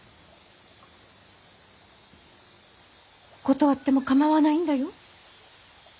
断っても構わないんだよ。